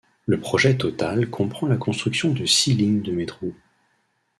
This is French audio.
Le projet total comprend la construction de six lignes de métro.